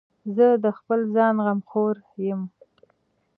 زه د خپل ځان غمخور یم.